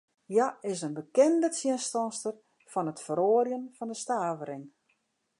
Hja is in bekende tsjinstanster fan it feroarjen fan de stavering.